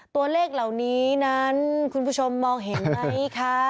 ตัวเลขเหล่านี้นั้นคุณผู้ชมมองเห็นไหมคะ